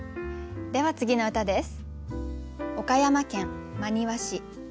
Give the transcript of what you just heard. では次の歌です。